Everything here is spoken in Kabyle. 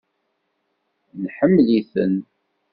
Neḥemmel-iten.